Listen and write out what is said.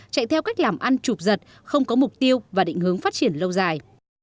chạy theo cách làm ăn chụp giật không có mục tiêu và định hướng phát triển lâu dài